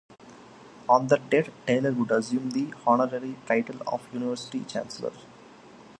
On that date, Taylor would assume the honorary title of university chancellor.